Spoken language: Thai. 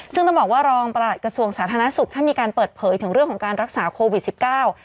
ซึ่งต้องบอกว่ารองประหลัดกระทรวงสาธารณสุขท่านมีการเปิดเผยถึงเรื่องของการรักษาโควิดสิบเก้า